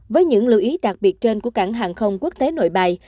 với những lưu ý đặc biệt trên của cảng hàng không quốc tế nội bài